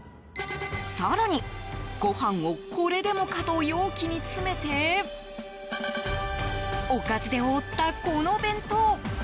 更に、ご飯をこれでもかと容器に詰めておかずで覆った、この弁当。